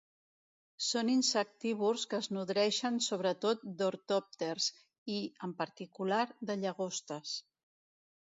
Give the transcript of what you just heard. Són insectívors que es nodreixen sobretot d'ortòpters i, en particular, de llagostes.